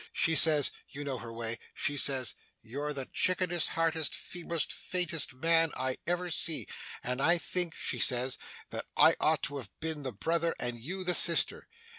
She says you know her way she says, "You're the chickenest hearted, feeblest, faintest man I ever see, and I think," she says, "that I ought to have been the brother, and you the sister.